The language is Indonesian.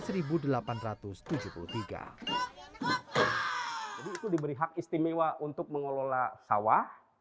jadi itu diberi hak istimewa untuk mengelola sawah